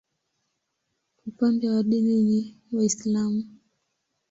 Upande wa dini ni Waislamu.